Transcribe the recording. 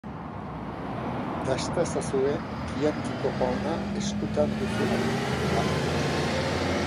Dasta ezazue chianti kopa ona eskutan duzuelarik, arren.